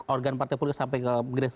organ partai politik sampai ke grace